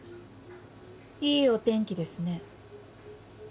いいお天気ですね。